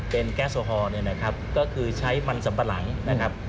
เป็นแก๊สโซฮอลเนี่ยนะครับก็คือใช้มันสัมปะหลังนะครับ